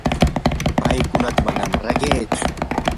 paykunata manam riqitsu.